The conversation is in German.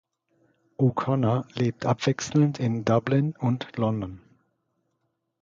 O’Connor lebt abwechselnd in Dublin und London.